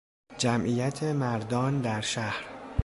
جمعیت مردان در شهر